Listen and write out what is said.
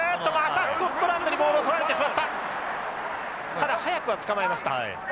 ただ早くは捕まえました。